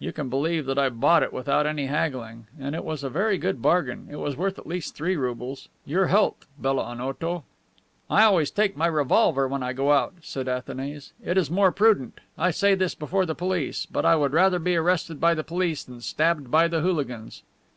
You can believe that I bought it without any haggling. And it was a very good bargain. It was worth at least three roubles. Your health, belle Onoto." "I always take my revolver when I go out," said Athanase. "It is more prudent. I say this before the police. But I would rather be arrested by the police than stabbed by the hooligans."